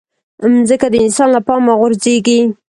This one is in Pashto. مځکه د انسان له پامه غورځيږي.